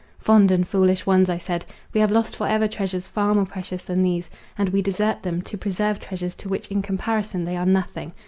"Fond and foolish ones," I said, "we have lost for ever treasures far more precious than these; and we desert them, to preserve treasures to which in comparison they are nothing.